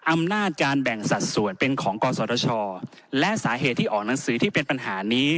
อำนาจการแบ่งสัดส่วนเป็นของกศชและสาเหตุที่ออกหนังสือที่เป็นปัญหานี้